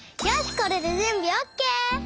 これでじゅんびオーケー！